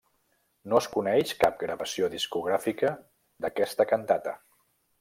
No es coneix cap gravació discogràfica d'aquesta cantata.